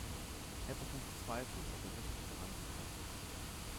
Er bekommt Zweifel, ob er richtig gehandelt hat.